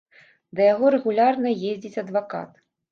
Да яго рэгулярна ездзіць адвакат.